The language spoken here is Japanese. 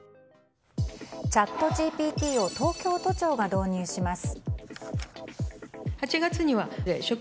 チャットＧＰＴを東京都庁が導入します。